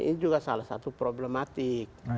ini juga salah satu problematik